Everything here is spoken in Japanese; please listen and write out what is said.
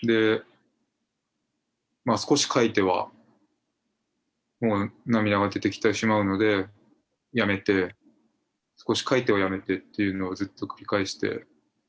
少し書いては、もう涙が出てきてしまうので、やめて、少し書いてはやめてっていうのをずっと繰り返して。